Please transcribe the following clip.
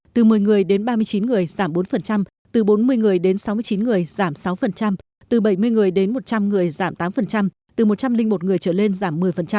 từ một mươi người đến ba mươi chín người giảm bốn từ bốn mươi người đến sáu mươi chín người giảm sáu từ bảy mươi người đến một trăm linh người giảm tám từ một trăm linh một người trở lên giảm một mươi